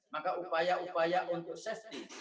maka upaya upaya untuk safety